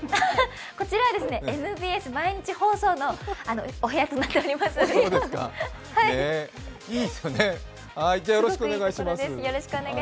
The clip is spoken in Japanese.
こちらはＭＢＳ毎日放送のお部屋となっております。